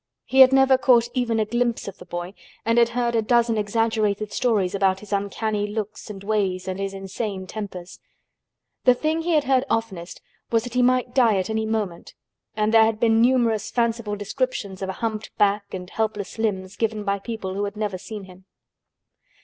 He had never caught even a glimpse of the boy and had heard a dozen exaggerated stories about his uncanny looks and ways and his insane tempers. The thing he had heard oftenest was that he might die at any moment and there had been numerous fanciful descriptions of a humped back and helpless limbs, given by people who had never seen him.